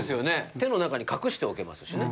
手の中に隠しておけますしね。